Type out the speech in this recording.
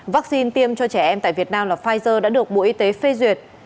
vaccine tiêm cho trẻ em tại việt nam là pfizer đã được bộ y tế phê duyệt